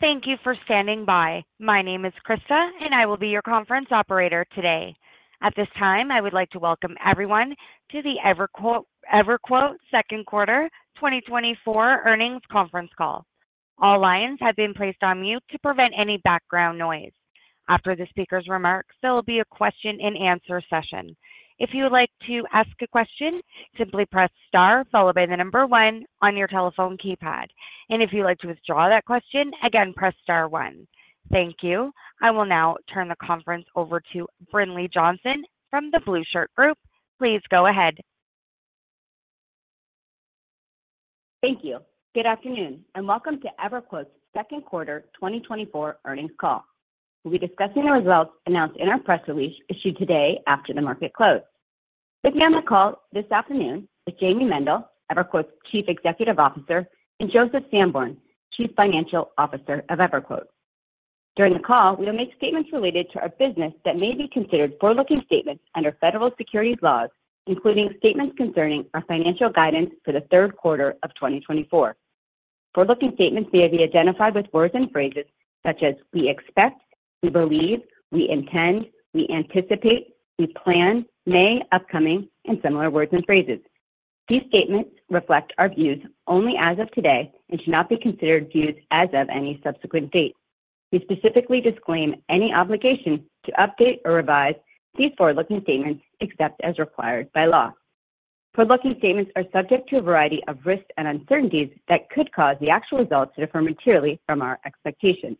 Thank you for standing by. My name is Krista, and I will be your conference operator today. At this time, I would like to welcome everyone to the EverQuote Second Quarter 2024 earnings conference call. All lines have been placed on mute to prevent any background noise. After the speaker's remarks, there will be a question-and-answer session. If you would like to ask a question, simply press star followed by the number one on your telephone keypad. And if you'd like to withdraw that question, again, press star one. Thank you. I will now turn the conference over to Brinlea Johnson from the Blueshirt Group. Please go ahead. Thank you. Good afternoon, and welcome to EverQuote's Second Quarter 2024 earnings call. We'll be discussing the results announced in our press release issued today after the market close. With me on the call this afternoon is Jayme Mendal, EverQuote's Chief Executive Officer, and Joseph Sanborn, Chief Financial Officer of EverQuote. During the call, we will make statements related to our business that may be considered forward-looking statements under federal securities laws, including statements concerning our financial guidance for the third quarter of 2024. Forward-looking statements may be identified with words and phrases such as, "We expect," "We believe," "We intend," "We anticipate," "We plan," "May," "Upcoming," and similar words and phrases. These statements reflect our views only as of today and should not be considered views as of any subsequent date. We specifically disclaim any obligation to update or revise these forward-looking statements except as required by law. Forward-looking statements are subject to a variety of risks and uncertainties that could cause the actual results to differ materially from our expectations.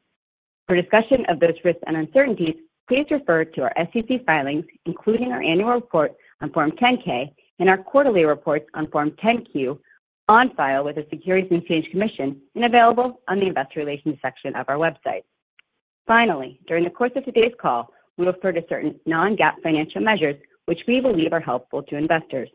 For discussion of those risks and uncertainties, please refer to our SEC filings, including our annual report on Form 10-K and our quarterly reports on Form 10-Q on file with the Securities and Exchange Commission and available on the Investor Relations section of our website. Finally, during the course of today's call, we refer to certain non-GAAP financial measures, which we believe are helpful to investors.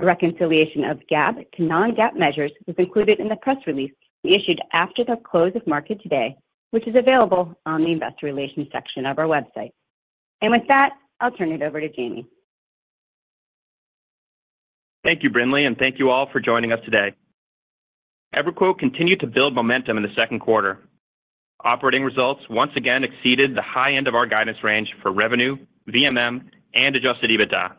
A reconciliation of GAAP to non-GAAP measures was included in the press release we issued after the close of market today, which is available on the Investor Relations section of our website. With that, I'll turn it over to Jayme. Thank you, Brinlea, and thank you all for joining us today. EverQuote continued to build momentum in the second quarter. Operating results once again exceeded the high end of our guidance range for revenue, VMM, and Adjusted EBITDA.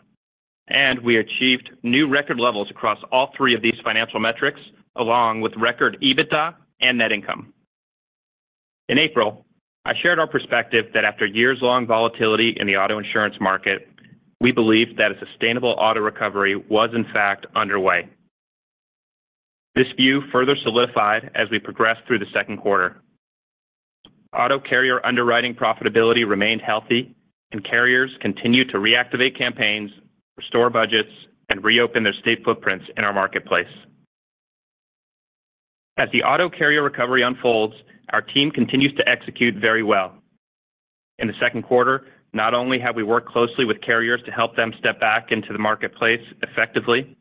We achieved new record levels across all three of these financial metrics, along with record EBITDA and net income. In April, I shared our perspective that after years-long volatility in the auto insurance market, we believed that a sustainable auto recovery was, in fact, underway. This view further solidified as we progressed through the second quarter. Auto carrier underwriting profitability remained healthy, and carriers continued to reactivate campaigns, restore budgets, and reopen their state footprints in our marketplace. As the auto carrier recovery unfolds, our team continues to execute very well. In the second quarter, not only have we worked closely with carriers to help them step back into the marketplace effectively,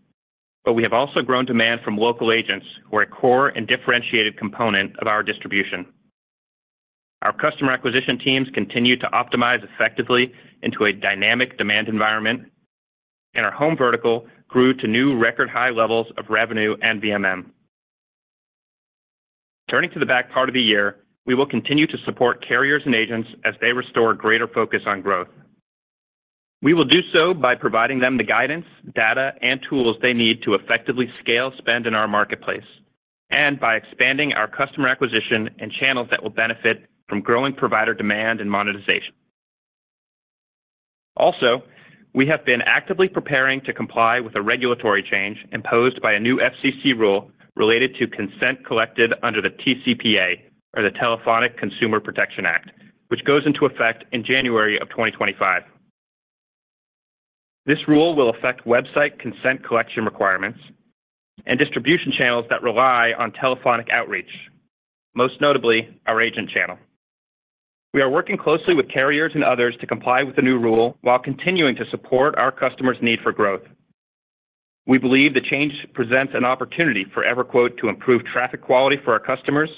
but we have also grown demand from local agents, who are a core and differentiated component of our distribution. Our customer acquisition teams continue to optimize effectively into a dynamic demand environment, and our home vertical grew to new record-high levels of revenue and VMM. Turning to the back part of the year, we will continue to support carriers and agents as they restore greater focus on growth. We will do so by providing them the guidance, data, and tools they need to effectively scale spend in our marketplace, and by expanding our customer acquisition and channels that will benefit from growing provider demand and monetization. Also, we have been actively preparing to comply with a regulatory change imposed by a new FCC rule related to consent collected under the TCPA, or the Telephone Consumer Protection Act, which goes into effect in January of 2025. This rule will affect website consent collection requirements and distribution channels that rely on telephonic outreach, most notably our agent channel. We are working closely with carriers and others to comply with the new rule while continuing to support our customers' need for growth. We believe the change presents an opportunity for EverQuote to improve traffic quality for our customers,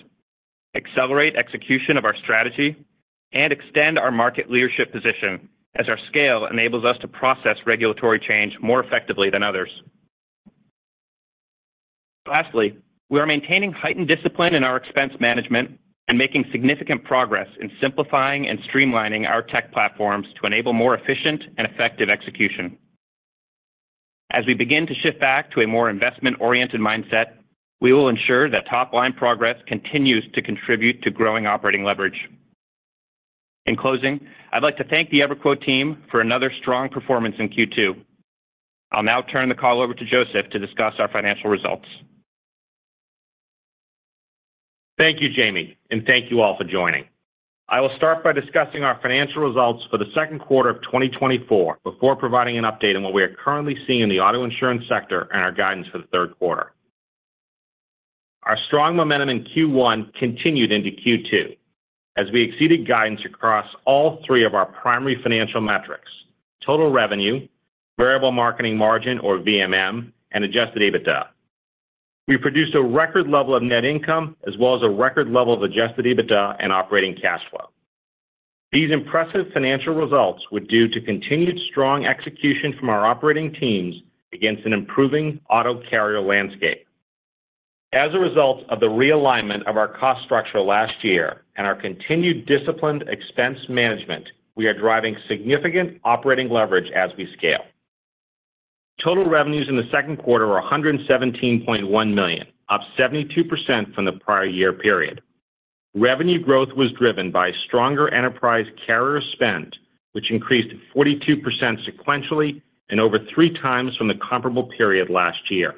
accelerate execution of our strategy, and extend our market leadership position as our scale enables us to process regulatory change more effectively than others. Lastly, we are maintaining heightened discipline in our expense management and making significant progress in simplifying and streamlining our tech platforms to enable more efficient and effective execution. As we begin to shift back to a more investment-oriented mindset, we will ensure that top-line progress continues to contribute to growing operating leverage. In closing, I'd like to thank the EverQuote team for another strong performance in Q2. I'll now turn the call over to Joseph to discuss our financial results. Thank you, Jayme, and thank you all for joining. I will start by discussing our financial results for the second quarter of 2024 before providing an update on what we are currently seeing in the auto insurance sector and our guidance for the third quarter. Our strong momentum in Q1 continued into Q2 as we exceeded guidance across all three of our primary financial metrics: total revenue, variable marketing margin, or VMM, and Adjusted EBITDA. We produced a record level of net income as well as a record level of Adjusted EBITDA and operating cash flow. These impressive financial results were due to continued strong execution from our operating teams against an improving auto carrier landscape. As a result of the realignment of our cost structure last year and our continued disciplined expense management, we are driving significant operating leverage as we scale. Total revenues in the second quarter were $117.1 million, up 72% from the prior year period. Revenue growth was driven by stronger enterprise carrier spend, which increased 42% sequentially and over three times from the comparable period last year.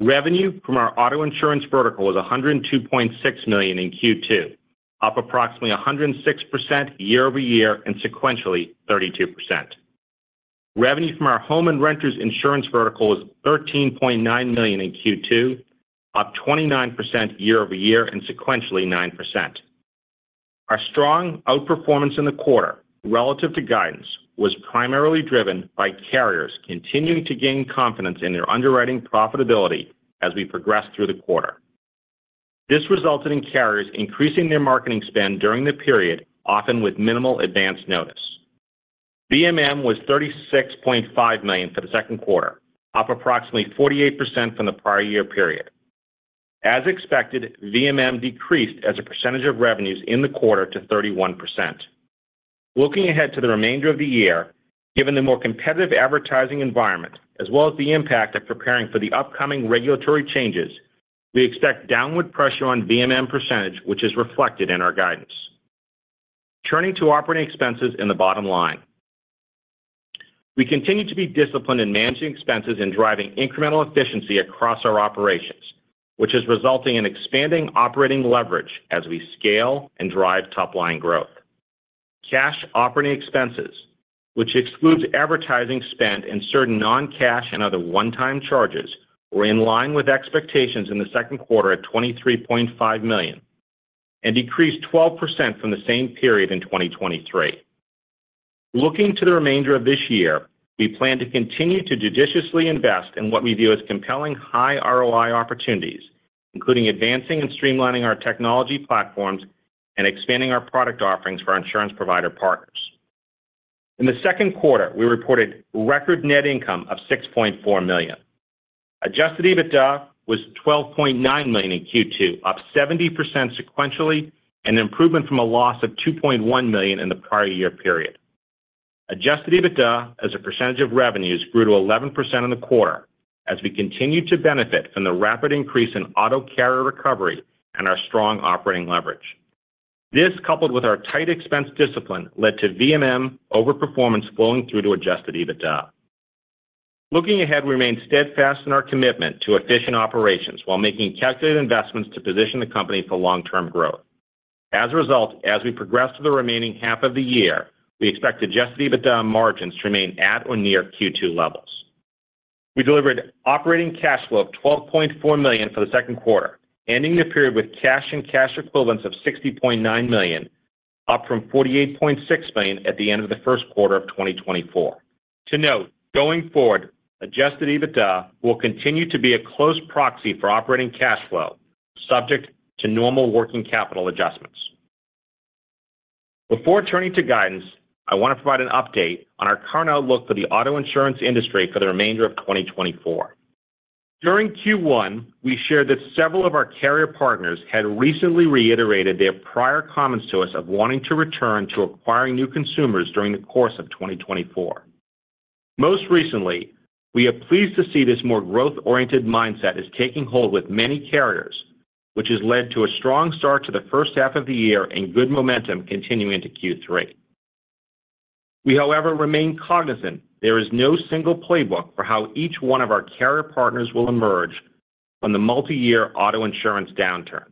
Revenue from our auto insurance vertical was $102.6 million in Q2, up approximately 106% year-over-year and sequentially 32%. Revenue from our home and renters insurance vertical was $13.9 million in Q2, up 29% year-over-year and sequentially 9%. Our strong outperformance in the quarter relative to guidance was primarily driven by carriers continuing to gain confidence in their underwriting profitability as we progressed through the quarter. This resulted in carriers increasing their marketing spend during the period, often with minimal advance notice. VMM was $36.5 million for the second quarter, up approximately 48% from the prior year period. As expected, VMM decreased as a percentage of revenues in the quarter to 31%. Looking ahead to the remainder of the year, given the more competitive advertising environment as well as the impact of preparing for the upcoming regulatory changes, we expect downward pressure on VMM percentage, which is reflected in our guidance. Turning to operating expenses in the bottom line, we continue to be disciplined in managing expenses and driving incremental efficiency across our operations, which is resulting in expanding operating leverage as we scale and drive top-line growth. Cash operating expenses, which excludes advertising spend and certain non-cash and other one-time charges, were in line with expectations in the second quarter at $23.5 million and decreased 12% from the same period in 2023. Looking to the remainder of this year, we plan to continue to judiciously invest in what we view as compelling high ROI opportunities, including advancing and streamlining our technology platforms and expanding our product offerings for our insurance provider partners. In the second quarter, we reported record net income of $6.4 million. Adjusted EBITDA was $12.9 million in Q2, up 70% sequentially and an improvement from a loss of $2.1 million in the prior year period. Adjusted EBITDA, as a percentage of revenues, grew to 11% in the quarter as we continued to benefit from the rapid increase in auto carrier recovery and our strong operating leverage. This, coupled with our tight expense discipline, led to VMM overperformance flowing through to adjusted EBITDA. Looking ahead, we remain steadfast in our commitment to efficient operations while making calculated investments to position the company for long-term growth. As a result, as we progress to the remaining half of the year, we expect Adjusted EBITDA margins to remain at or near Q2 levels. We delivered operating cash flow of $12.4 million for the second quarter, ending the period with cash and cash equivalents of $60.9 million, up from $48.6 million at the end of the first quarter of 2024. To note, going forward, Adjusted EBITDA will continue to be a close proxy for operating cash flow, subject to normal working capital adjustments. Before turning to guidance, I want to provide an update on our current outlook for the auto insurance industry for the remainder of 2024. During Q1, we shared that several of our carrier partners had recently reiterated their prior comments to us of wanting to return to acquiring new consumers during the course of 2024. Most recently, we are pleased to see this more growth-oriented mindset is taking hold with many carriers, which has led to a strong start to the first half of the year and good momentum continuing into Q3. We, however, remain cognizant there is no single playbook for how each one of our carrier partners will emerge from the multi-year auto insurance downturn.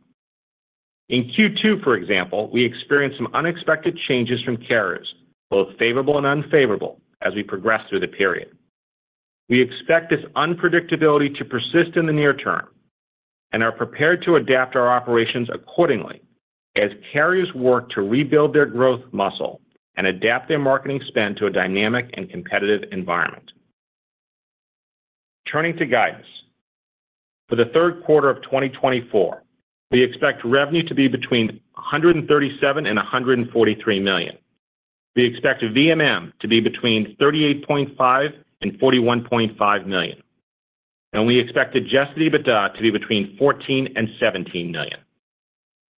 In Q2, for example, we experienced some unexpected changes from carriers, both favorable and unfavorable, as we progressed through the period. We expect this unpredictability to persist in the near term and are prepared to adapt our operations accordingly as carriers work to rebuild their growth muscle and adapt their marketing spend to a dynamic and competitive environment. Turning to guidance, for the third quarter of 2024, we expect revenue to be between $137 and $143 million. We expect VMM to be between $38.5 million-$41.5 million, and we expect Adjusted EBITDA to be between $14 million-$17 million.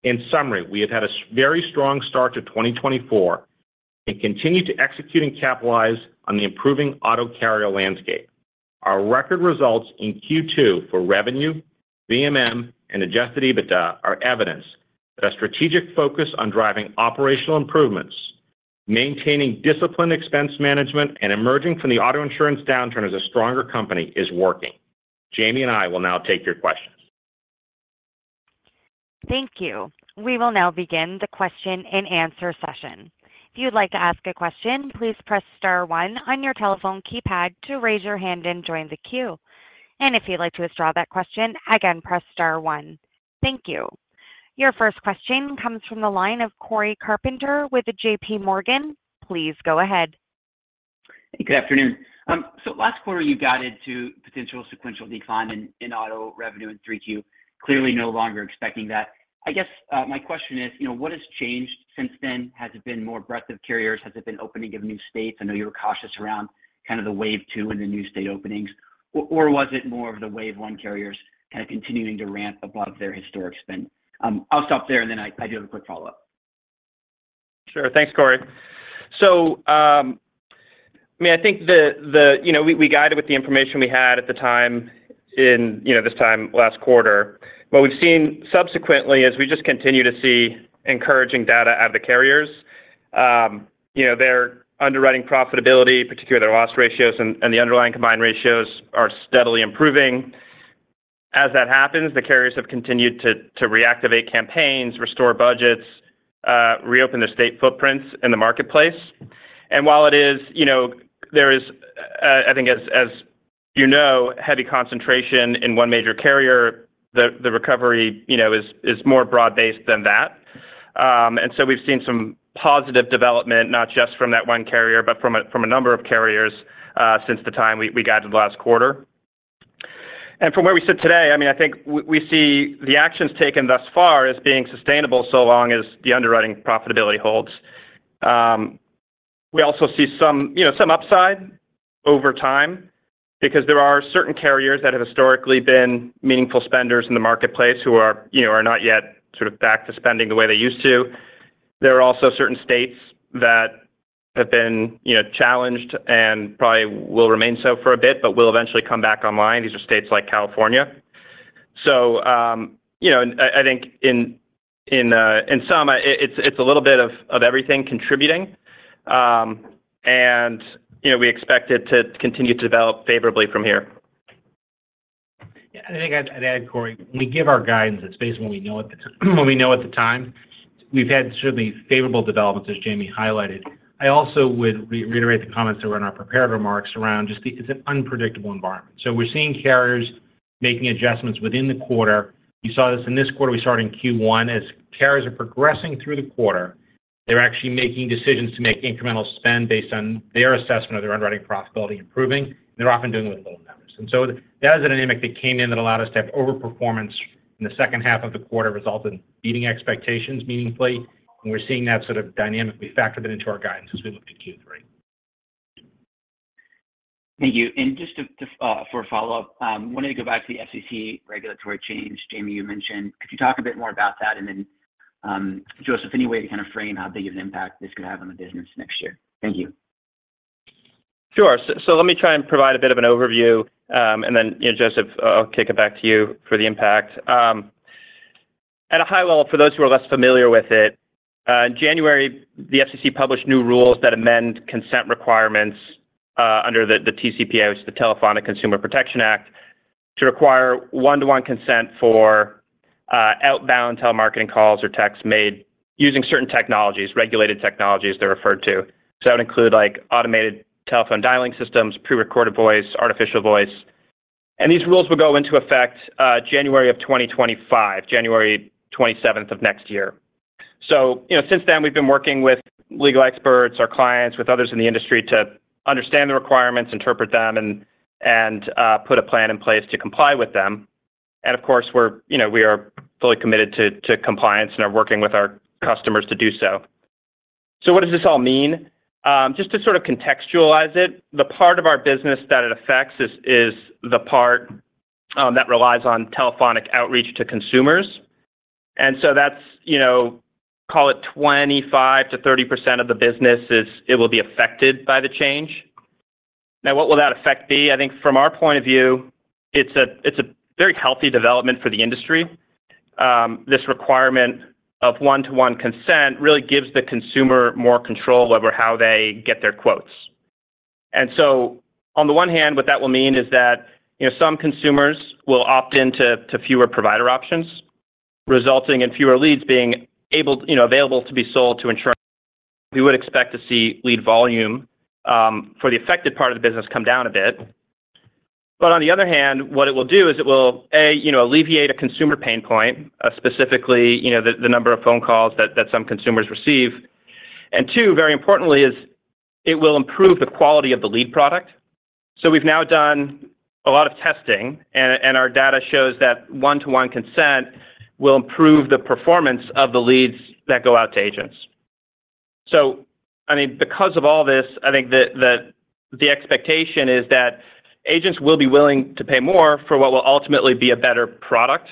In summary, we have had a very strong start to 2024 and continue to execute and capitalize on the improving auto carrier landscape. Our record results in Q2 for revenue, VMM, and Adjusted EBITDA are evidence that a strategic focus on driving operational improvements, maintaining disciplined expense management, and emerging from the auto insurance downturn as a stronger company is working. Jayme and I will now take your questions. Thank you. We will now begin the question-and-answer session. If you'd like to ask a question, please press star one on your telephone keypad to raise your hand and join the queue. And if you'd like to withdraw that question, again, press star one. Thank you. Your first question comes from the line of Cory Carpenter with J.P. Morgan. Please go ahead. Hey, good afternoon. So last quarter, you guided to potential sequential decline in auto revenue in Q3. Clearly, no longer expecting that. I guess my question is, what has changed since then? Has it been more breadth of carriers? Has it been opening of new states? I know you were cautious around kind of the wave two and the new state openings. Or was it more of the wave one carriers kind of continuing to ramp above their historic spend? I'll stop there, and then I do have a quick follow-up. Sure. Thanks, Cory. So I mean, I think we guided with the information we had at the time in this time last quarter. What we've seen subsequently is we just continue to see encouraging data out of the carriers. Their underwriting profitability, particularly their loss ratios and the underlying combined ratios, are steadily improving. As that happens, the carriers have continued to reactivate campaigns, restore budgets, reopen their state footprints in the marketplace. And while it is, there is, I think, as you know, heavy concentration in one major carrier, the recovery is more broad-based than that. And so we've seen some positive development, not just from that one carrier, but from a number of carriers since the time we guided last quarter. And from where we sit today, I mean, I think we see the actions taken thus far as being sustainable so long as the underwriting profitability holds. We also see some upside over time because there are certain carriers that have historically been meaningful spenders in the marketplace who are not yet sort of back to spending the way they used to. There are also certain states that have been challenged and probably will remain so for a bit, but will eventually come back online. These are states like California. So I think in some, it's a little bit of everything contributing, and we expect it to continue to develop favorably from here. Yeah. I think I'd add, Cory, when we give our guidance, it's based on what we know at the time. We've had certainly favorable developments, as Jayme highlighted. I also would reiterate the comments that were in our prepared remarks around just the, it's an unpredictable environment. So we're seeing carriers making adjustments within the quarter. We saw this in this quarter. We started in Q1. As carriers are progressing through the quarter, they're actually making decisions to make incremental spend based on their assessment of their underwriting profitability improving, and they're often doing with little numbers. And so that was a dynamic that came in that allowed us to have overperformance in the second half of the quarter resulted in beating expectations meaningfully. And we're seeing that sort of dynamic. We factored that into our guidance as we looked at Q3. Thank you. Just for a follow-up, I wanted to go back to the FCC regulatory change. Jayme, you mentioned. Could you talk a bit more about that? And then, Joseph, any way to kind of frame how big of an impact this could have on the business next year? Thank you. Sure. So let me try and provide a bit of an overview, and then, Joseph, I'll kick it back to you for the impact. At a high level, for those who are less familiar with it, in January, the FCC published new rules that amend consent requirements under the TCPA, which is the Telephone Consumer Protection Act, to require one-to-one consent for outbound telemarketing calls or texts made using certain technologies, regulated technologies they're referred to. So that would include automated telephone dialing systems, prerecorded voice, artificial voice. And these rules will go into effect January of 2025, January 27th of next year. So since then, we've been working with legal experts, our clients, with others in the industry to understand the requirements, interpret them, and put a plan in place to comply with them. And of course, we are fully committed to compliance and are working with our customers to do so. So what does this all mean? Just to sort of contextualize it, the part of our business that it affects is the part that relies on telephonic outreach to consumers. And so that's, call it 25%-30% of the business, it will be affected by the change. Now, what will that effect be? I think from our point of view, it's a very healthy development for the industry. This requirement of one-to-one consent really gives the consumer more control over how they get their quotes. And so on the one hand, what that will mean is that some consumers will opt into fewer provider options, resulting in fewer leads being available to be sold to insurers. We would expect to see lead volume for the affected part of the business come down a bit. But on the other hand, what it will do is it will, A, alleviate a consumer pain point, specifically the number of phone calls that some consumers receive. And two, very importantly, is it will improve the quality of the lead product. So we've now done a lot of testing, and our data shows that one-to-one consent will improve the performance of the leads that go out to agents. So I mean, because of all this, I think that the expectation is that agents will be willing to pay more for what will ultimately be a better product.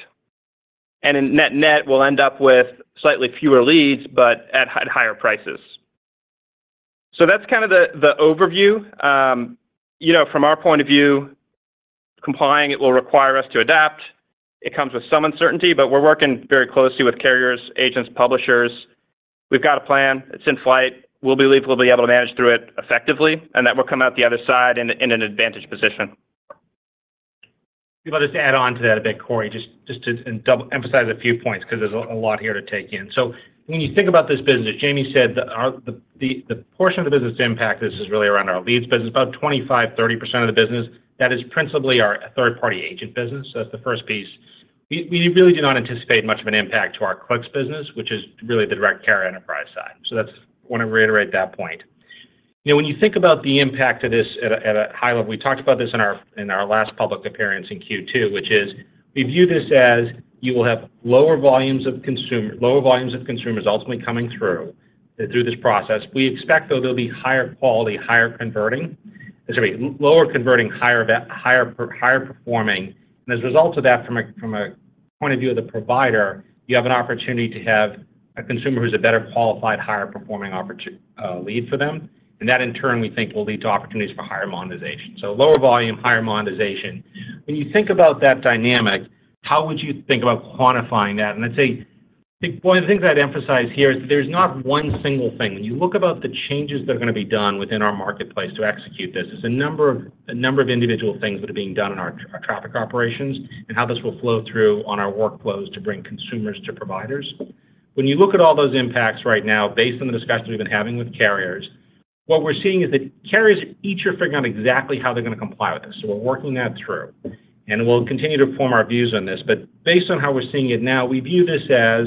And in net-net, we'll end up with slightly fewer leads, but at higher prices. So that's kind of the overview. From our point of view, complying, it will require us to adapt. It comes with some uncertainty, but we're working very closely with carriers, agents, publishers. We've got a plan. It's in flight. We'll believe we'll be able to manage through it effectively and that we'll come out the other side in an advantage position. If I just add on to that a bit, Cory, just to emphasize a few points because there's a lot here to take in. So when you think about this business, Jayme said that the portion of the business impact is really around our leads business, about 25%-30% of the business. That is principally our third-party agent business. That's the first piece. We really do not anticipate much of an impact to our clicks business, which is really the direct carrier enterprise side. So that's what I want to reiterate that point. When you think about the impact of this at a high level, we talked about this in our last public appearance in Q2, which is we view this as you will have lower volumes of consumers ultimately coming through this process. We expect, though, there'll be higher quality, higher converting, lower converting, higher performing. As a result of that, from a point of view of the provider, you have an opportunity to have a consumer who's a better qualified, higher performing lead for them. And that, in turn, we think will lead to opportunities for higher monetization. Lower volume, higher monetization. When you think about that dynamic, how would you think about quantifying that? And I'd say, one of the things I'd emphasize here is that there's not one single thing. When you look about the changes that are going to be done within our marketplace to execute this, there's a number of individual things that are being done in our traffic operations and how this will flow through on our workflows to bring consumers to providers. When you look at all those impacts right now, based on the discussions we've been having with carriers, what we're seeing is that carriers each are figuring out exactly how they're going to comply with this. So we're working that through. And we'll continue to form our views on this. But based on how we're seeing it now, we view this as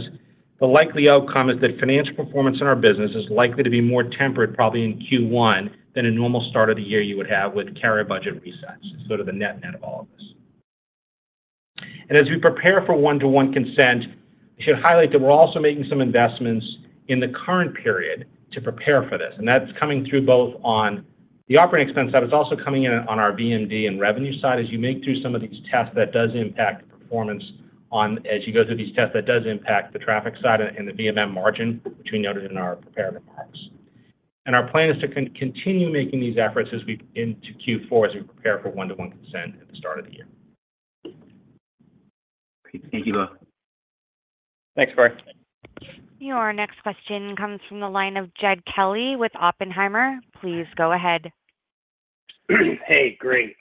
the likely outcome is that financial performance in our business is likely to be more tempered, probably in Q1, than a normal start of the year you would have with carrier budget resets. It's sort of the net-net of all of this. And as we prepare for one-to-one consent, I should highlight that we're also making some investments in the current period to prepare for this. And that's coming through both on the operating expense side. It's also coming in on our VMM and revenue side. As you make through some of these tests, that does impact performance. As you go through these tests, that does impact the traffic side and the VMM margin, which we noted in our prepared remarks. Our plan is to continue making these efforts into Q4 as we prepare for one-to-one consent at the start of the year. Thank you both. Thanks, Cory. Your next question comes from the line of Jed Kelly with Oppenheimer. Please go ahead. Hey, great.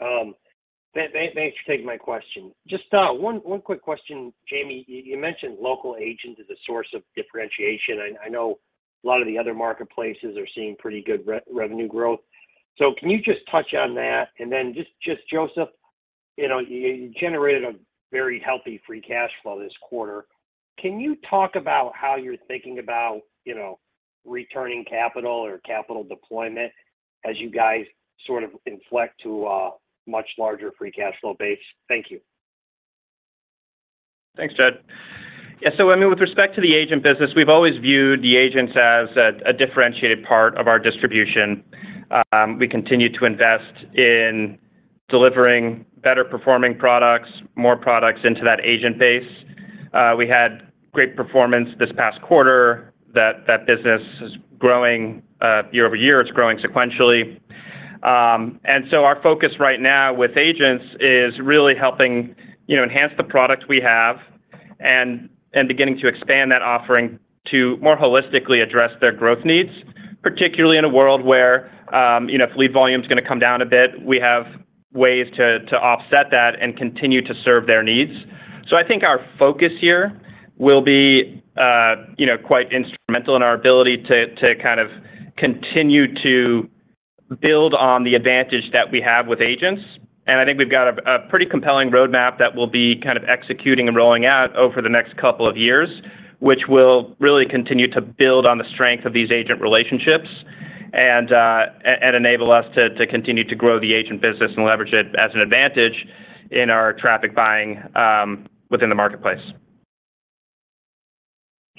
Thanks for taking my question. Just one quick question, Jayme. You mentioned local agents as a source of differentiation. I know a lot of the other marketplaces are seeing pretty good revenue growth. So can you just touch on that? And then just, Joseph, you generated a very healthy free cash flow this quarter. Can you talk about how you're thinking about returning capital or capital deployment as you guys sort of inflect to a much larger free cash flow base? Thank you. Thanks, Jed. Yeah. So I mean, with respect to the agent business, we've always viewed the agents as a differentiated part of our distribution. We continue to invest in delivering better-performing products, more products into that agent base. We had great performance this past quarter. That business is growing year-over-year. It's growing sequentially. And so our focus right now with agents is really helping enhance the product we have and beginning to expand that offering to more holistically address their growth needs, particularly in a world where if lead volume is going to come down a bit, we have ways to offset that and continue to serve their needs. So I think our focus here will be quite instrumental in our ability to kind of continue to build on the advantage that we have with agents. I think we've got a pretty compelling roadmap that we'll be kind of executing and rolling out over the next couple of years, which will really continue to build on the strength of these agent relationships and enable us to continue to grow the agent business and leverage it as an advantage in our traffic buying within the marketplace.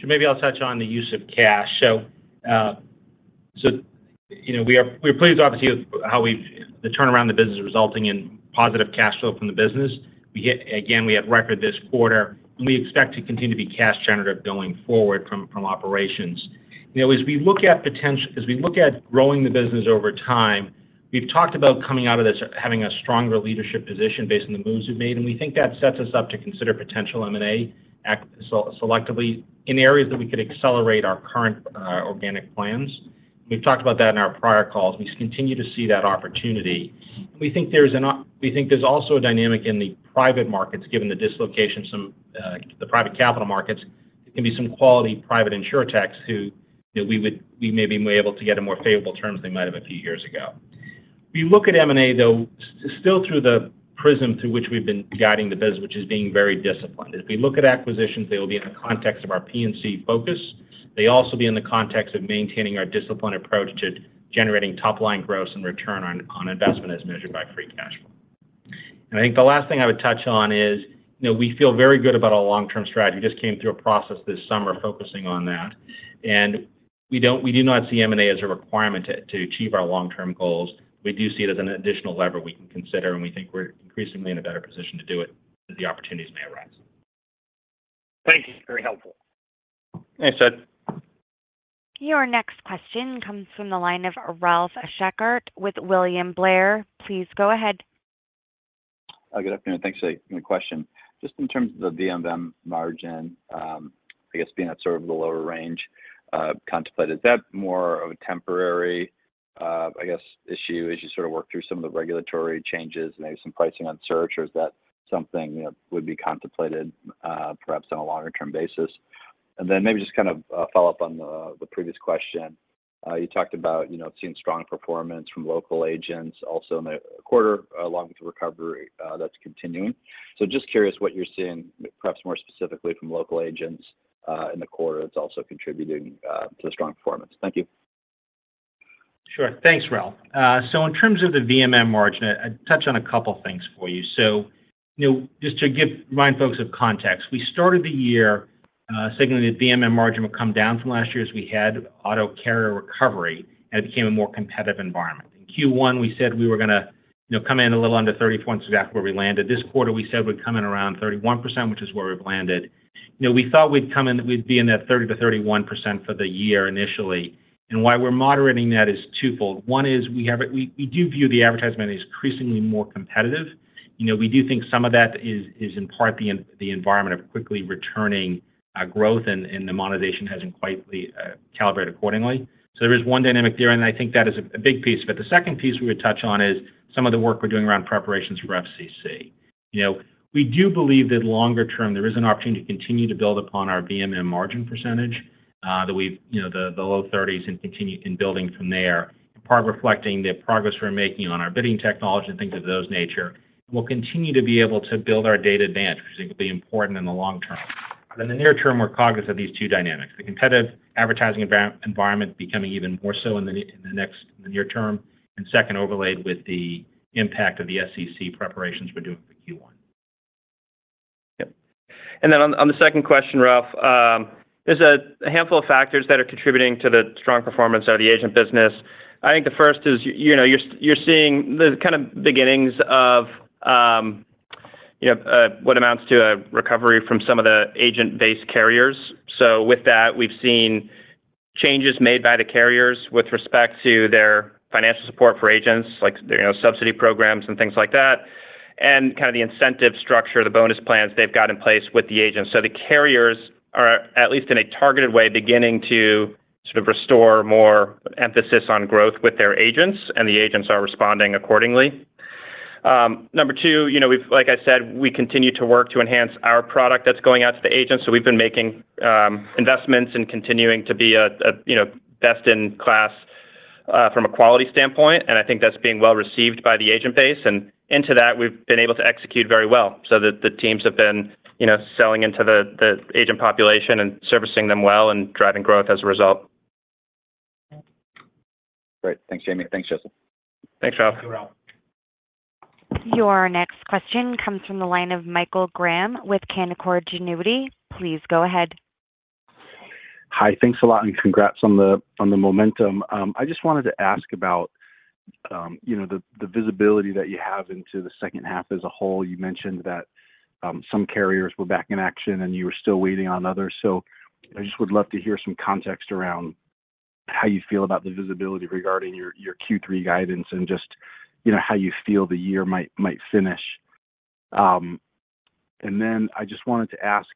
So maybe I'll touch on the use of cash. We're pleased to obviously hear how the turnaround of the business is resulting in positive cash flow from the business. Again, we had record this quarter. We expect to continue to be cash-generative going forward from operations. As we look at potential, as we look at growing the business over time, we've talked about coming out of this having a stronger leadership position based on the moves we've made. We think that sets us up to consider potential M&A selectively in areas that we could accelerate our current organic plans. We've talked about that in our prior calls. We continue to see that opportunity. We think there's also a dynamic in the private markets, given the dislocation of some of the private capital markets. There can be some quality private insurtechs who we may be able to get on more favorable terms than we might have a few years ago. We look at M&A, though, still through the prism through which we've been guiding the business, which is being very disciplined. If we look at acquisitions, they will be in the context of our P&C focus. They also be in the context of maintaining our disciplined approach to generating top-line growth and return on investment as measured by free cash flow. I think the last thing I would touch on is we feel very good about our long-term strategy. We just came through a process this summer focusing on that. We do not see M&A as a requirement to achieve our long-term goals. We do see it as an additional lever we can consider, and we think we're increasingly in a better position to do it as the opportunities may arise. Thank you. Very helpful. Thanks, Jed. Your next question comes from the line of Ralph Schackart with William Blair. Please go ahead. Good afternoon. Thanks for the question. Just in terms of the VMM margin, I guess being at sort of the lower range contemplated, is that more of a temporary, I guess, issue as you sort of work through some of the regulatory changes and maybe some pricing on search? Or is that something that would be contemplated perhaps on a longer-term basis? And then maybe just kind of follow up on the previous question. You talked about seeing strong performance from local agents also in the quarter, along with the recovery that's continuing. So just curious what you're seeing, perhaps more specifically from local agents in the quarter that's also contributing to the strong performance. Thank you. Sure. Thanks, Ralph. So in terms of the VMM margin, I touched on a couple of things for you. So just to remind folks of context, we started the year signaling that VMM margin would come down from last year as we had auto carrier recovery, and it became a more competitive environment. In Q1, we said we were going to come in a little under 30 points exactly where we landed. This quarter, we said we'd come in around 31%, which is where we've landed. We thought we'd come in, we'd be in that 30%-31% for the year initially. And why we're moderating that is twofold. One is we do view the advertisement as increasingly more competitive. We do think some of that is in part the environment of quickly returning growth, and the monetization hasn't quite calibrated accordingly. So there is one dynamic there, and I think that is a big piece. But the second piece we would touch on is some of the work we're doing around preparations for FCC. We do believe that longer term, there is an opportunity to continue to build upon our VMM margin percentage, the low 30s, and continue in building from there, in part reflecting the progress we're making on our bidding technology and things of those nature. And we'll continue to be able to build our data advantage, which I think will be important in the long term. But in the near term, we're cognizant of these two dynamics: the competitive advertising environment becoming even more so in the near term, and second, overlaid with the impact of the SEC preparations we're doing for Q1. Yep. And then on the second question, Ralph, there's a handful of factors that are contributing to the strong performance of the agent business. I think the first is you're seeing the kind of beginnings of what amounts to a recovery from some of the agent-based carriers. So with that, we've seen changes made by the carriers with respect to their financial support for agents, like subsidy programs and things like that, and kind of the incentive structure, the bonus plans they've got in place with the agents. So the carriers are, at least in a targeted way, beginning to sort of restore more emphasis on growth with their agents, and the agents are responding accordingly. Number two, like I said, we continue to work to enhance our product that's going out to the agents. So we've been making investments and continuing to be a best-in-class from a quality standpoint. I think that's being well received by the agent base. Into that, we've been able to execute very well. The teams have been selling into the agent population and servicing them well and driving growth as a result. Great. Thanks, Jayme. Thanks, Joseph. Thanks, Ralph. Your next question comes from the line of Michael Graham with Canaccord Genuity. Please go ahead. Hi. Thanks a lot, and congrats on the momentum. I just wanted to ask about the visibility that you have into the second half as a whole. You mentioned that some carriers were back in action, and you were still waiting on others. So I just would love to hear some context around how you feel about the visibility regarding your Q3 guidance and just how you feel the year might finish. And then I just wanted to ask,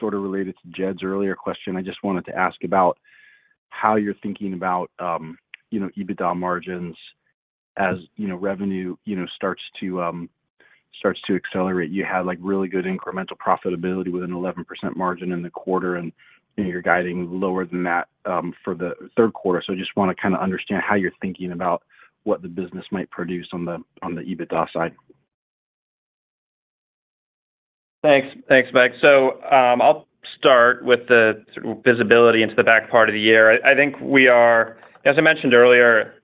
sort of related to Jed's earlier question, I just wanted to ask about how you're thinking about EBITDA margins as revenue starts to accelerate. You had really good incremental profitability with an 11% margin in the quarter, and you're guiding lower than that for the third quarter. So I just want to kind of understand how you're thinking about what the business might produce on the EBITDA side. Thanks. Thanks, Mike. So I'll start with the visibility into the back part of the year. I think we are, as I mentioned earlier,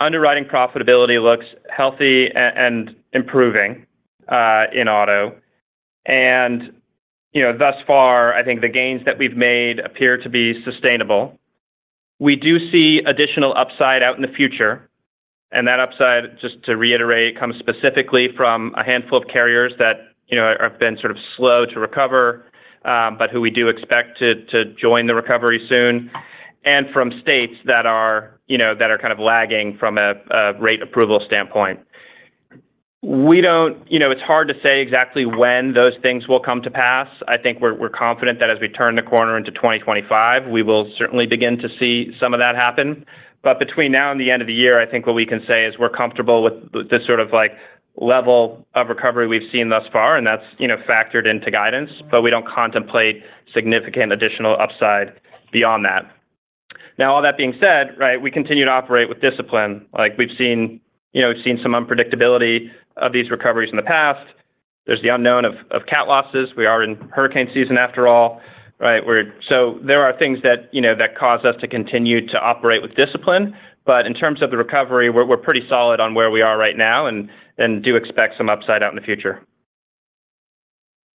underwriting profitability looks healthy and improving in auto. And thus far, I think the gains that we've made appear to be sustainable. We do see additional upside out in the future. And that upside, just to reiterate, comes specifically from a handful of carriers that have been sort of slow to recover, but who we do expect to join the recovery soon, and from states that are kind of lagging from a rate approval standpoint. It's hard to say exactly when those things will come to pass. I think we're confident that as we turn the corner into 2025, we will certainly begin to see some of that happen. But between now and the end of the year, I think what we can say is we're comfortable with this sort of level of recovery we've seen thus far, and that's factored into guidance. But we don't contemplate significant additional upside beyond that. Now, all that being said, right, we continue to operate with discipline. We've seen some unpredictability of these recoveries in the past. There's the unknown of cat losses. We are in hurricane season after all. So there are things that cause us to continue to operate with discipline. But in terms of the recovery, we're pretty solid on where we are right now and do expect some upside out in the future.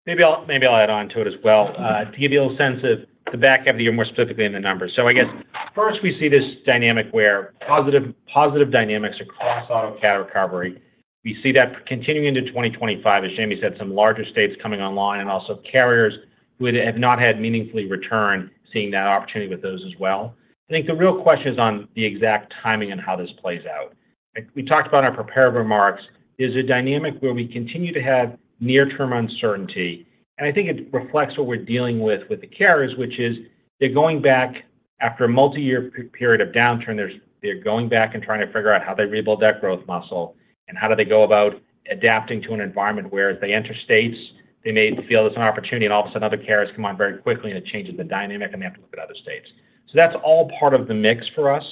Maybe I'll add on to it as well to give you a little sense of the back half of the year, more specifically in the numbers. So I guess first, we see this dynamic where positive dynamics across auto carrier recovery. We see that continuing into 2025, as Jayme said, some larger states coming online and also carriers who have not had meaningful return seeing that opportunity with those as well. I think the real question is on the exact timing and how this plays out. What we talked about in our prepared remarks is a dynamic where we continue to have near-term uncertainty. And I think it reflects what we're dealing with the carriers, which is they're going back after a multi-year period of downturn. They're going back and trying to figure out how they rebuild that growth muscle and how do they go about adapting to an environment where, as they enter states, they may feel there's an opportunity, and all of a sudden, other carriers come on very quickly, and it changes the dynamic, and they have to look at other states. That's all part of the mix for us.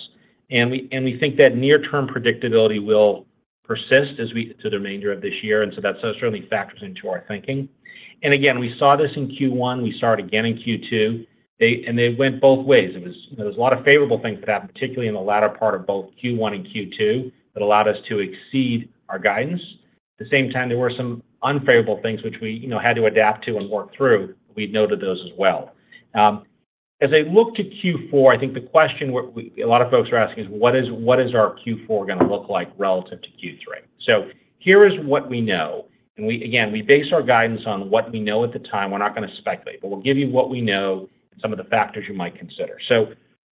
We think that near-term predictability will persist through the remainder of this year. That certainly factors into our thinking. Again, we saw this in Q1. We saw it again in Q2. They went both ways. There was a lot of favorable things that happened, particularly in the latter part of both Q1 and Q2, that allowed us to exceed our guidance. At the same time, there were some unfavorable things which we had to adapt to and work through. We noted those as well. As I look to Q4, I think the question a lot of folks are asking is, what is our Q4 going to look like relative to Q3? So here is what we know. And again, we base our guidance on what we know at the time. We're not going to speculate, but we'll give you what we know and some of the factors you might consider. So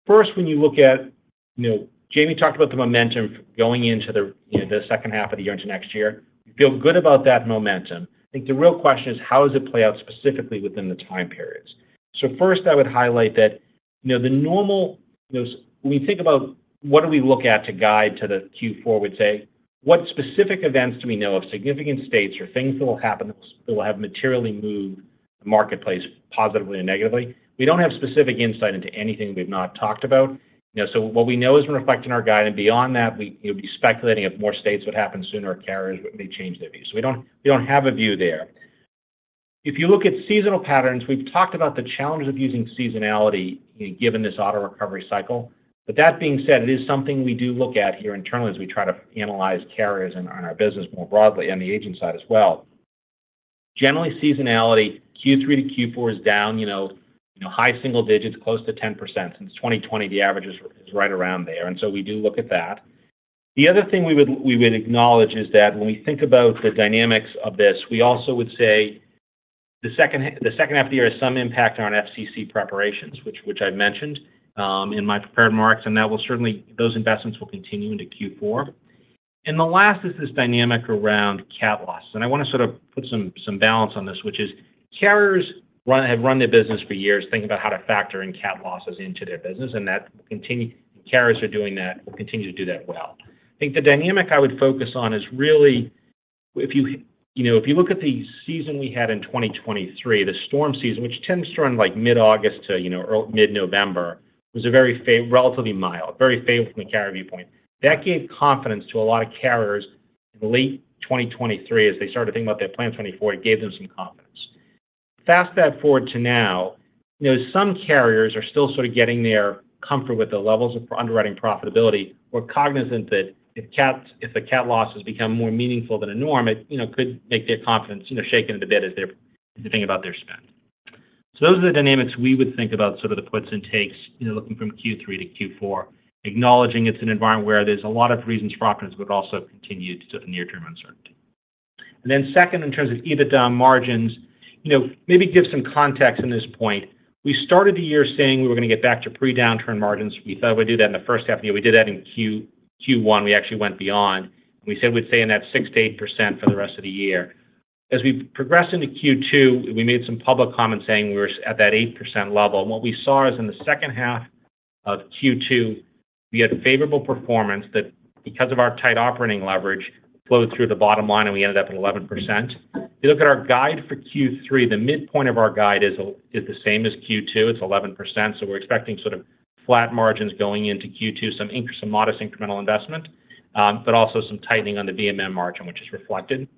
first, when you look at Jayme talked about the momentum going into the second half of the year into next year. We feel good about that momentum. I think the real question is, how does it play out specifically within the time periods? So first, I would highlight that the normal when you think about what do we look at to guide to the Q4, we'd say, what specific events do we know of significant states or things that will happen that will have materially moved the marketplace positively or negatively? We don't have specific insight into anything we've not talked about. So what we know is reflected in our guide. And beyond that, we'd be speculating if more states would happen sooner or carriers may change their views. So we don't have a view there. If you look at seasonal patterns, we've talked about the challenges of using seasonality given this auto recovery cycle. But that being said, it is something we do look at here internally as we try to analyze carriers on our business more broadly and the agent side as well. Generally, seasonality Q3 to Q4 is down high single digits, close to 10%. Since 2020, the average is right around there. And so we do look at that. The other thing we would acknowledge is that when we think about the dynamics of this, we also would say the second half of the year has some impact on our FCC preparations, which I've mentioned in my prepared remarks. And those investments will continue into Q4. And the last is this dynamic around cat losses. And I want to sort of put some balance on this, which is carriers have run their business for years thinking about how to factor in cat losses into their business. And that will continue. Carriers are doing that, will continue to do that well. I think the dynamic I would focus on is really if you look at the season we had in 2023, the storm season, which tends to run like mid-August to mid-November, was relatively mild, very favorable from a carrier viewpoint. That gave confidence to a lot of carriers in late 2023 as they started thinking about their plan for 2024. It gave them some confidence. Fast-forward to now, some carriers are still sort of getting their comfort with the levels of underwriting profitability or cognizant that if the cat losses become more meaningful than a norm, it could make their confidence shaken a bit as they think about their spend. So those are the dynamics we would think about sort of the puts and takes looking from Q3 to Q4, acknowledging it's an environment where there's a lot of reasons for optimism, but also continued sort of near-term uncertainty. Then second, in terms of EBITDA margins, maybe give some context on this point. We started the year saying we were going to get back to pre-downturn margins. We thought we'd do that in the first half of the year. We did that in Q1. We actually went beyond. We said we'd stay in that 6%-8% for the rest of the year. As we progressed into Q2, we made some public comments saying we were at that 8% level. And what we saw is in the second half of Q2, we had favorable performance that, because of our tight operating leverage, flowed through the bottom line, and we ended up at 11%. If you look at our guide for Q3, the midpoint of our guide is the same as Q2. It's 11%. We're expecting sort of flat margins going into Q2, some modest incremental investment, but also some tightening on the VMM margin, which is reflected.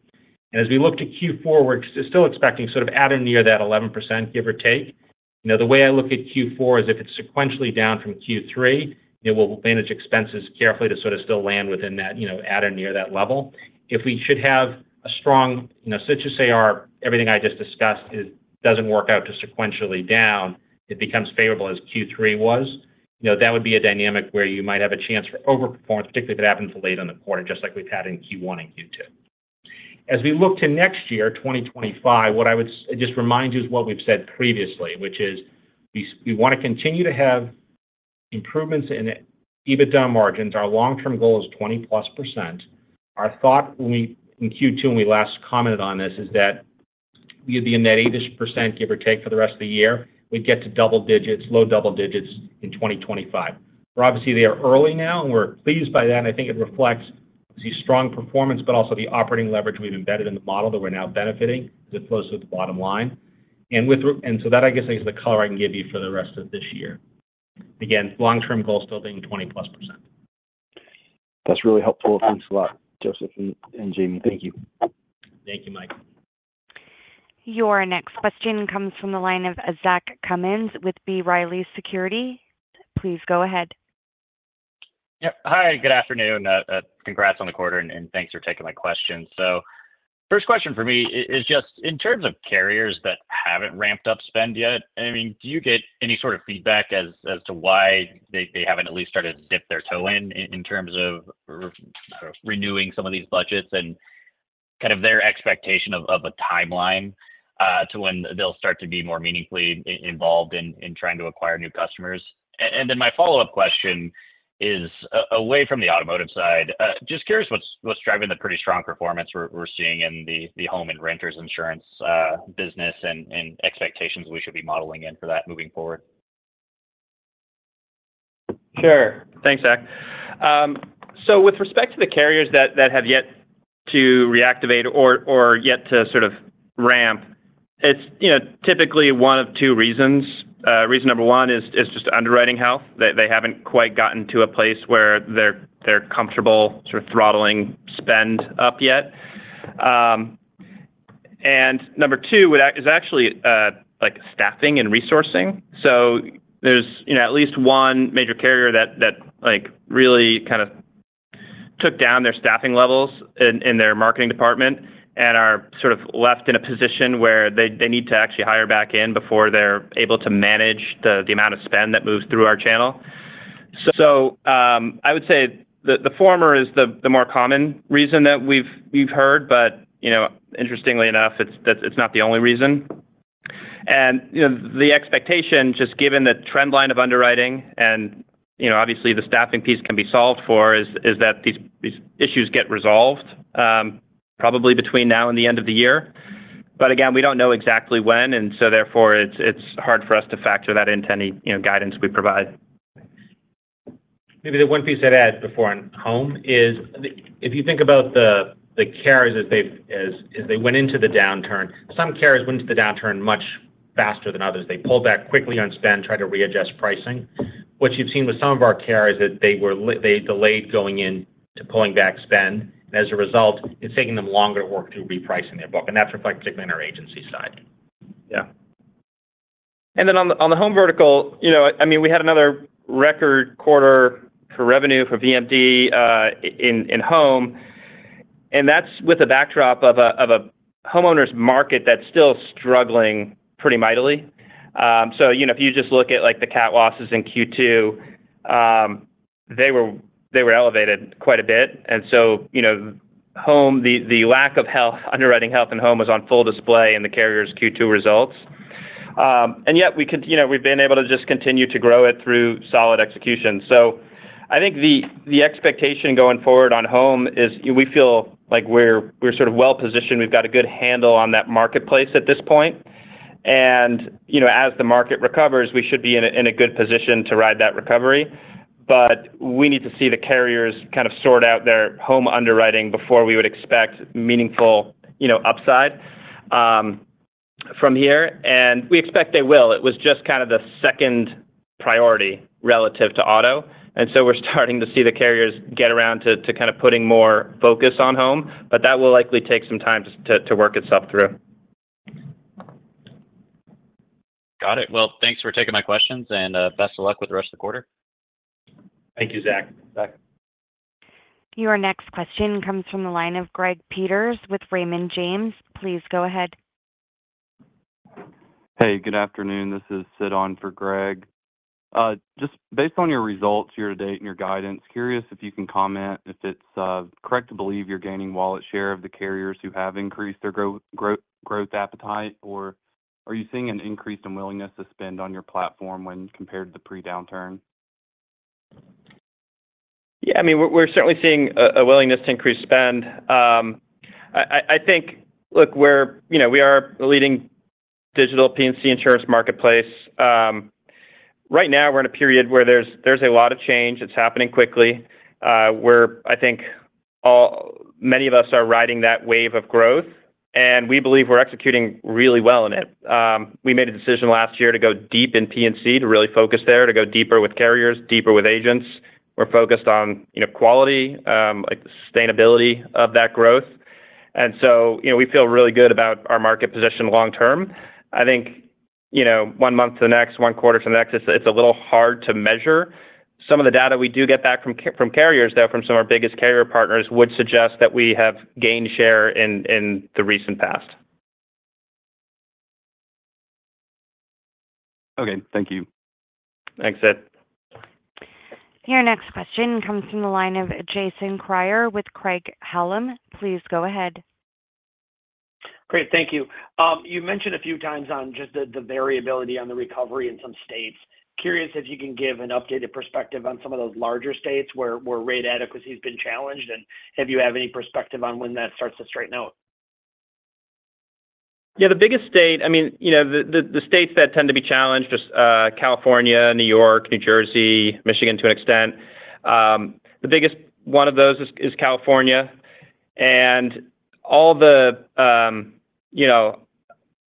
As we look to Q4, we're still expecting sort of at or near that 11%, give or take. The way I look at Q4 is if it's sequentially down from Q3, we'll manage expenses carefully to sort of still land within that at or near that level. If we should have a strong, such as say our everything I just discussed doesn't work out to sequentially down, it becomes favorable as Q3 was. That would be a dynamic where you might have a chance for overperformance, particularly if it happens late in the quarter, just like we've had in Q1 and Q2. As we look to next year, 2025, what I would just remind you is what we've said previously, which is we want to continue to have improvements in EBITDA margins. Our long-term goal is 20%+. Our thought in Q2, and we last commented on this, is that we would be in that 8%, give or take, for the rest of the year. We'd get to double digits, low double digits in 2025. We're obviously there early now, and we're pleased by that. And I think it reflects the strong performance, but also the operating leverage we've embedded in the model that we're now benefiting as it flows through the bottom line. And so that, I guess, is the color I can give you for the rest of this year. Again, long-term goal still being 20%+. That's really helpful. Thanks a lot, Joseph and Jayme. Thank you. Thank you, Mike. Your next question comes from the line of Zach Cummins with B. Riley Securities. Please go ahead. Yep. Hi. Good afternoon. Congrats on the quarter, and thanks for taking my question. So first question for me is just in terms of carriers that haven't ramped up spend yet, I mean, do you get any sort of feedback as to why they haven't at least started to dip their toe in in terms of renewing some of these budgets and kind of their expectation of a timeline to when they'll start to be more meaningfully involved in trying to acquire new customers? And then my follow-up question is away from the automotive side, just curious what's driving the pretty strong performance we're seeing in the home and renters insurance business and expectations we should be modeling in for that moving forward. Sure. Thanks, Zach. So with respect to the carriers that have yet to reactivate or yet to sort of ramp, it's typically one of two reasons. Reason number one is just underwriting health. They haven't quite gotten to a place where they're comfortable sort of throttling spend up yet. And number two is actually staffing and resourcing. So there's at least one major carrier that really kind of took down their staffing levels in their marketing department and are sort of left in a position where they need to actually hire back in before they're able to manage the amount of spend that moves through our channel. So I would say the former is the more common reason that we've heard, but interestingly enough, it's not the only reason. The expectation, just given the trend line of underwriting and obviously the staffing piece can be solved for, is that these issues get resolved probably between now and the end of the year. But again, we don't know exactly when, and so therefore, it's hard for us to factor that into any guidance we provide. Maybe the one piece I'd add before on home is if you think about the carriers as they went into the downturn, some carriers went into the downturn much faster than others. They pulled back quickly on spend, tried to readjust pricing. What you've seen with some of our carriers is that they delayed going into pulling back spend. And as a result, it's taking them longer to work through repricing their book. And that's reflected in our agency side. Yeah. And then on the home vertical, I mean, we had another record quarter for revenue for VMM in home. And that's with the backdrop of a homeowner's market that's still struggling pretty mightily. So if you just look at the cat losses in Q2, they were elevated quite a bit. And so home, the lack of health, underwriting health in home was on full display in the carriers' Q2 results. And yet, we've been able to just continue to grow it through solid execution. So I think the expectation going forward on home is we feel like we're sort of well-positioned. We've got a good handle on that marketplace at this point. And as the market recovers, we should be in a good position to ride that recovery. But we need to see the carriers kind of sort out their home underwriting before we would expect meaningful upside from here. And we expect they will. It was just kind of the second priority relative to auto. And so we're starting to see the carriers get around to kind of putting more focus on home. But that will likely take some time to work itself through. Got it. Well, thanks for taking my questions. Best of luck with the rest of the quarter. Thank you, Zach. Your next question comes from the line of Greg Peters with Raymond James. Please go ahead. Hey, good afternoon. This is Sid for Greg Peters. Just based on your results year to date and your guidance, curious if you can comment if it's correct to believe you're gaining wallet share of the carriers who have increased their growth appetite, or are you seeing an increase in willingness to spend on your platform when compared to the pre-downturn? Yeah. I mean, we're certainly seeing a willingness to increase spend. I think, look, we are a leading digital P&C insurance marketplace. Right now, we're in a period where there's a lot of change. It's happening quickly. I think many of us are riding that wave of growth, and we believe we're executing really well in it. We made a decision last year to go deep in P&C to really focus there, to go deeper with carriers, deeper with agents. We're focused on quality, sustainability of that growth. And so we feel really good about our market position long-term. I think one month to the next, one quarter to the next, it's a little hard to measure. Some of the data we do get back from carriers, though, from some of our biggest carrier partners would suggest that we have gained share in the recent past. Okay. Thank you. Thanks, Sid. Your next question comes from the line of Jason Kreyer with Craig-Hallum. Please go ahead. Great. Thank you. You mentioned a few times on just the variability on the recovery in some states. Curious if you can give an updated perspective on some of those larger states where rate adequacy has been challenged, and if you have any perspective on when that starts to straighten out? Yeah. The biggest state, I mean, the states that tend to be challenged are California, New York, New Jersey, Michigan to an extent. The biggest one of those is California. And all the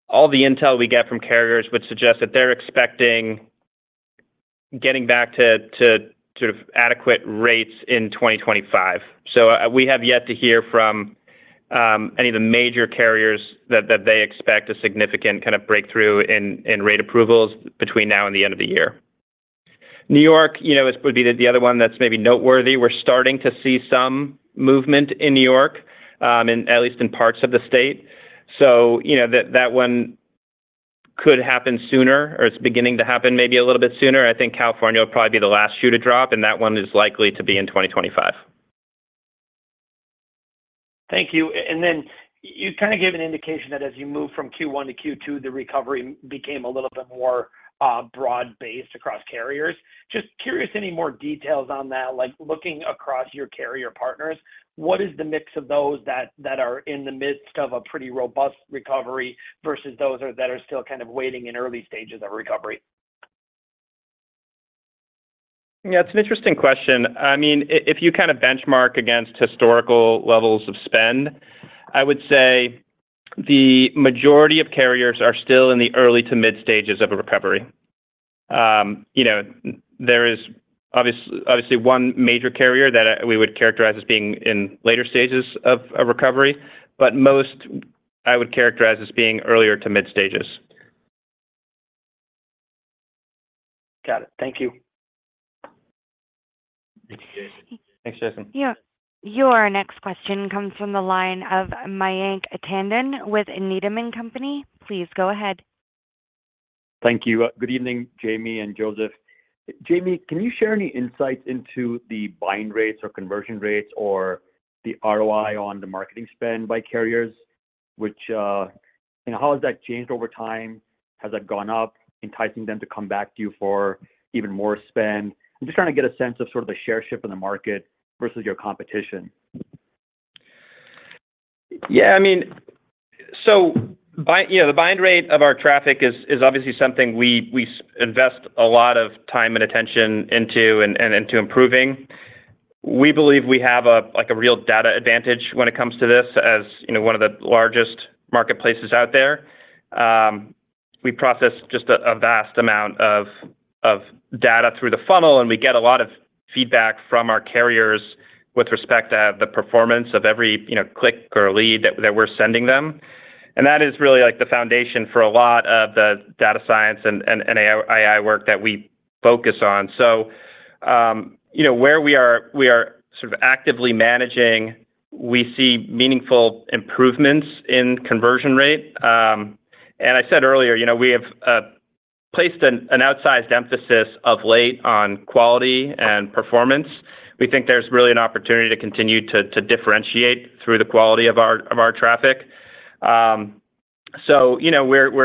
intel we get from carriers would suggest that they're expecting getting back to sort of adequate rates in 2025. So we have yet to hear from any of the major carriers that they expect a significant kind of breakthrough in rate approvals between now and the end of the year. New York would be the other one that's maybe noteworthy. We're starting to see some movement in New York, at least in parts of the state. So that one could happen sooner, or it's beginning to happen maybe a little bit sooner. I think California will probably be the last shoe to drop, and that one is likely to be in 2025. Thank you. And then you kind of gave an indication that as you moved from Q1 to Q2, the recovery became a little bit more broad-based across carriers. Just curious any more details on that. Looking across your carrier partners, what is the mix of those that are in the midst of a pretty robust recovery versus those that are still kind of waiting in early stages of recovery? Yeah. It's an interesting question. I mean, if you kind of benchmark against historical levels of spend, I would say the majority of carriers are still in the early to mid stages of a recovery. There is obviously one major carrier that we would characterize as being in later stages of a recovery, but most I would characterize as being earlier to mid stages. Got it. Thank you. Thanks, Jason. Your next question comes from the line of Mayank Tandon with Needham & Company. Please go ahead. Thank you. Good evening, Jayme and Joseph. Jayme, can you share any insights into the buying rates or conversion rates or the ROI on the marketing spend by carriers? How has that changed over time? Has that gone up, enticing them to come back to you for even more spend? I'm just trying to get a sense of sort of the share shift in the market versus your competition. Yeah. I mean, so the buying rate of our traffic is obviously something we invest a lot of time and attention into and into improving. We believe we have a real data advantage when it comes to this as one of the largest marketplaces out there. We process just a vast amount of data through the funnel, and we get a lot of feedback from our carriers with respect to the performance of every click or lead that we're sending them. And that is really the foundation for a lot of the data science and AI work that we focus on. So where we are sort of actively managing, we see meaningful improvements in conversion rate. And I said earlier, we have placed an outsized emphasis of late on quality and performance. We think there's really an opportunity to continue to differentiate through the quality of our traffic. We're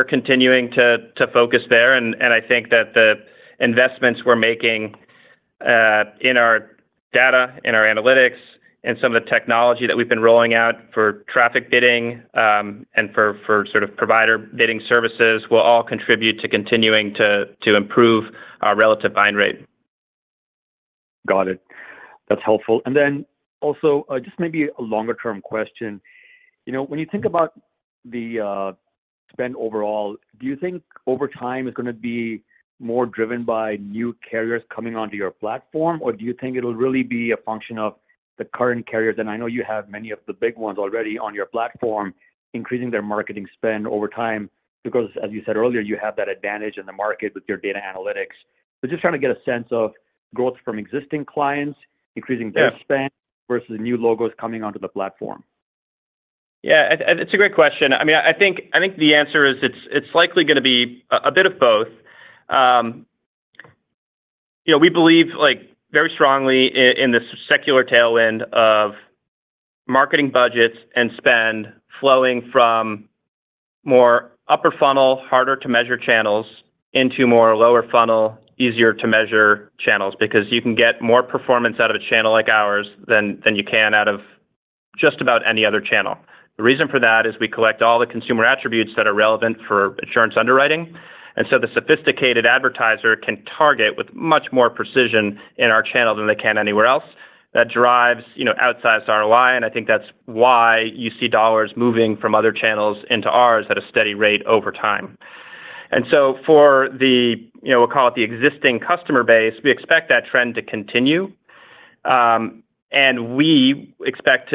continuing to focus there. I think that the investments we're making in our data, in our analytics, and some of the technology that we've been rolling out for traffic bidding and for sort of provider bidding services will all contribute to continuing to improve our relative buying rate. Got it. That's helpful. And then also just maybe a longer-term question. When you think about the spend overall, do you think over time it's going to be more driven by new carriers coming onto your platform, or do you think it'll really be a function of the current carriers? And I know you have many of the big ones already on your platform increasing their marketing spend over time because, as you said earlier, you have that advantage in the market with your data analytics. But just trying to get a sense of growth from existing clients, increasing their spend versus new logos coming onto the platform. Yeah. It's a great question. I mean, I think the answer is it's likely going to be a bit of both. We believe very strongly in this secular tailwind of marketing budgets and spend flowing from more upper funnel, harder to measure channels into more lower funnel, easier to measure channels because you can get more performance out of a channel like ours than you can out of just about any other channel. The reason for that is we collect all the consumer attributes that are relevant for insurance underwriting. And so the sophisticated advertiser can target with much more precision in our channel than they can anywhere else. That drives outsized ROI, and I think that's why you see dollars moving from other channels into ours at a steady rate over time. And so for the, we'll call it the existing customer base, we expect that trend to continue. And we expect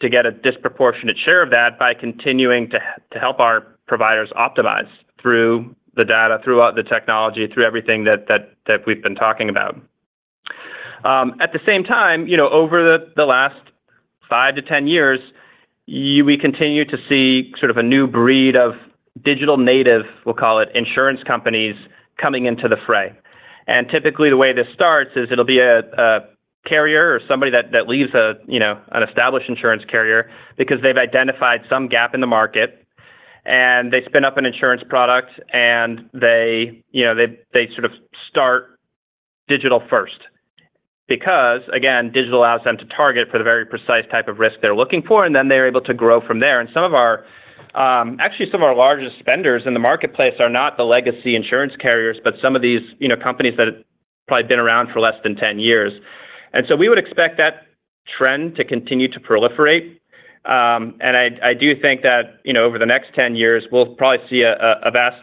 to get a disproportionate share of that by continuing to help our providers optimize through the data, throughout the technology, through everything that we've been talking about. At the same time, over the last 5-10 years, we continue to see sort of a new breed of digital native, we'll call it, insurance companies coming into the fray. And typically, the way this starts is it'll be a carrier or somebody that leaves an established insurance carrier because they've identified some gap in the market, and they spin up an insurance product, and they sort of start digital first because, again, digital allows them to target for the very precise type of risk they're looking for, and then they're able to grow from there. Actually, some of our largest spenders in the marketplace are not the legacy insurance carriers, but some of these companies that have probably been around for less than 10 years. So we would expect that trend to continue to proliferate. I do think that over the next 10 years, we'll probably see a vast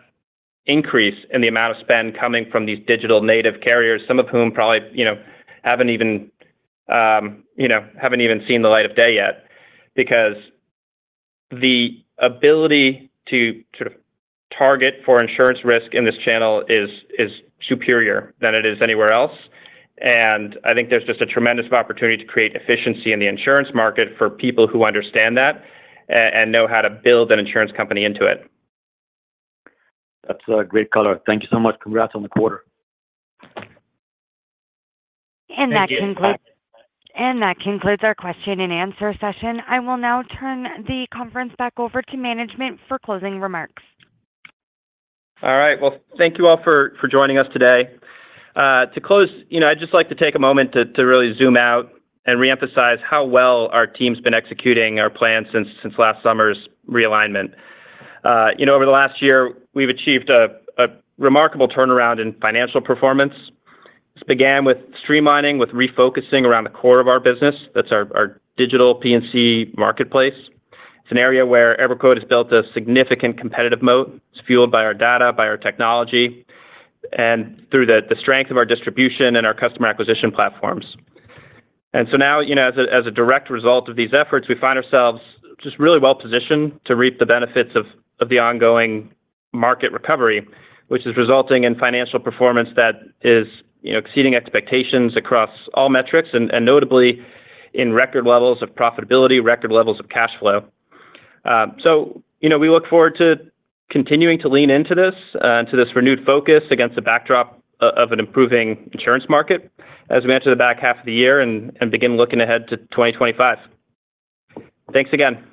increase in the amount of spend coming from these digital native carriers, some of whom probably haven't even seen the light of day yet because the ability to sort of target for insurance risk in this channel is superior than it is anywhere else. I think there's just a tremendous opportunity to create efficiency in the insurance market for people who understand that and know how to build an insurance company into it. That's a great color. Thank you so much. Congrats on the quarter. That concludes our question and answer session. I will now turn the conference back over to management for closing remarks. All right. Well, thank you all for joining us today. To close, I'd just like to take a moment to really zoom out and reemphasize how well our team's been executing our plan since last summer's realignment. Over the last year, we've achieved a remarkable turnaround in financial performance. This began with streamlining, with refocusing around the core of our business. That's our digital P&C marketplace. It's an area where EverQuote has built a significant competitive moat. It's fueled by our data, by our technology, and through the strength of our distribution and our customer acquisition platforms. And so now, as a direct result of these efforts, we find ourselves just really well-positioned to reap the benefits of the ongoing market recovery, which is resulting in financial performance that is exceeding expectations across all metrics and notably in record levels of profitability, record levels of cash flow. We look forward to continuing to lean into this renewed focus against the backdrop of an improving insurance market as we enter the back half of the year and begin looking ahead to 2025. Thanks again.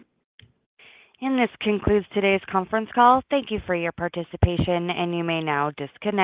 This concludes today's conference call. Thank you for your participation, and you may now disconnect.